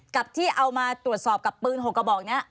กับที่เอามาตรวจสอบกับปืน๖กระบอกนี้